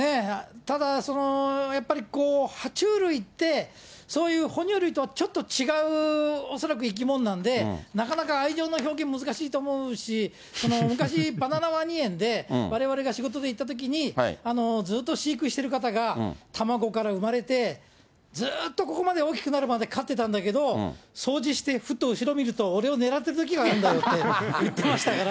ただやっぱりは虫類って、そういう哺乳類とはちょっと違う恐らく生き物なんで、なかなか愛情の表現難しいと思うし、昔バナナワニ園でわれわれが仕事で行ったときに、ずっと飼育してる方が、卵から産まれてずっとここまで大きくなるまで飼ってたんだけど、掃除してふっと後ろ見ると、俺を狙っているときがあるんだよって言ってましたから。